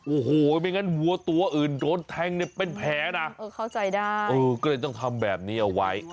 โอ้โหไม่งั้นวัวตัวอื่นโดนแทงเป็นแผลนะก็เลยต้องทำแบบนี้เอาไว้